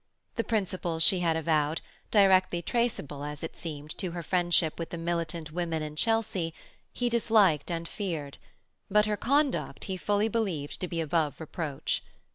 The principles she had avowed, directly traceable as it seemed to her friendship with the militant women in Chelsea, he disliked and feared; but her conduct he fully believed to be above reproach.